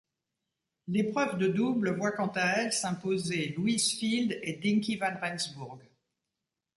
L'épreuve de double voit quant à elle s'imposer Louise Field et Dinky Van Rensburg.